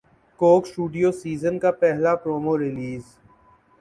کوک studio season کا پہلا promo release